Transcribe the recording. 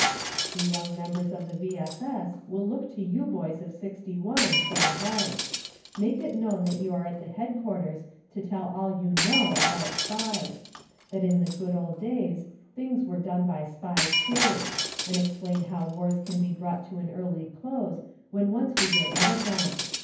The young members of the — V. S. S. will look to you boys of '61, for advice. Make it known that you are at the headquarters to tell all you know about "SPIES"; that in the good old days things were done by SPIES, too; and explain how wars can be brought to an early close when once we get rid of them.